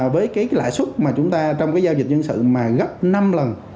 với lãi suất trong giao dịch dân sự mà gấp năm lần